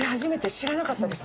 知らなかったです。